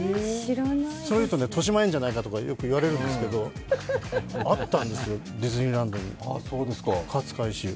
それ言うととしまえんじゃないかとかよく言われるんですけれどもあったんですよ、ディズニーランドに、勝海舟。